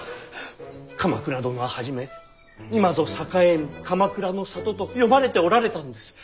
鎌倉殿は初め「今ぞ栄えむ鎌倉の里」と詠まれておられたのです。